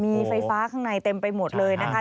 มีไฟฟ้าข้างในเต็มไปหมดเลยนะคะ